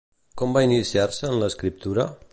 Com va iniciar-se en l'escriptura?